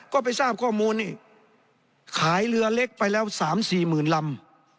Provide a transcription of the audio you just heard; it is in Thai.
ก็ไปทราบข้อมูลนี่ขายเรือเล็กไปแล้วสามสี่หมื่นลำ